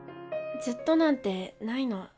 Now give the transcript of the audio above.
ずっとなんてないの。